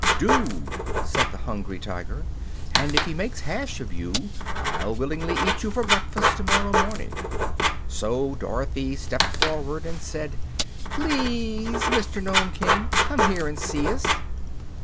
"Do," said the Hungry Tiger; "and if he makes hash of you I'll willingly eat you for breakfast tomorrow morning." So Dorothy stepped forward and said: "PLEASE Mr. Nome King, come here and see us."